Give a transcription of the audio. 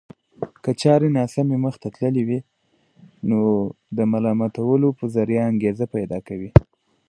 که چارې ناسمې مخته تللې وي نو د ملامتولو په ذريعه انګېزه پيدا کوي.